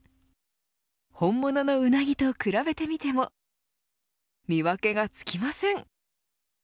本物のうなぎと比べてみても見分けがつきません。